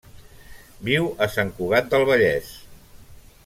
Viu a Sant Cugat del Vallès.